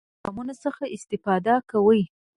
د کومو پروګرامونو څخه استفاده کوئ؟